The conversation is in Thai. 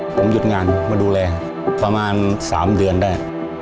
ผมหยุดงานมาดูแลประมาณ๓เดือนได้